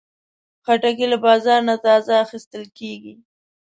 خټکی له بازار نه تازه اخیستل کېږي.